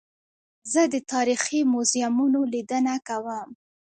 زه د تاریخي موزیمونو لیدنه کوم.